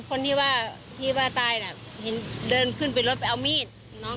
คนที่ว่าที่ว่าตายน่ะเห็นเดินขึ้นไปรถไปเอามีดน้อง